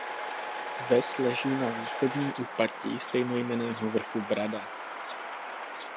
Ves leží na východním úpatí stejnojmenného vrchu Brada.